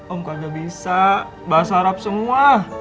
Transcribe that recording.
om kaja bisa bahasa arab semua